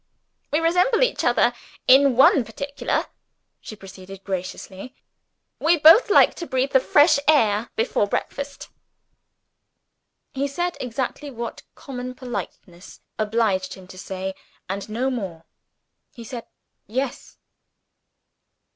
"We resemble each other in one particular," she proceeded, graciously; "we both like to breathe the fresh air before breakfast." He said exactly what common politeness obliged him to say, and no more he said, "Yes."